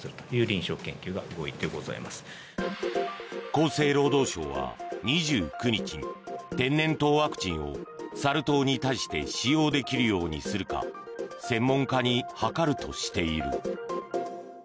厚生労働省は２９日に天然痘ワクチンをサル痘に対して使用できるようにするか専門家に諮るとしている。